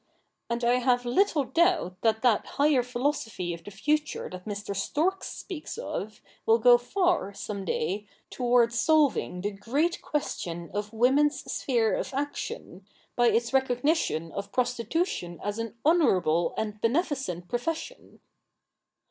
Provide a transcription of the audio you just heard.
And I have little doubt that that higher philosophy of the future that Mr. Storks speaks of will go far, some day, towards solving the great question of women's sphere of action, by its recognition of prostitution as an honourable and beneficent profession.'